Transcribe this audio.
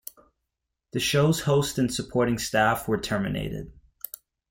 The show's host and supporting staff were terminated.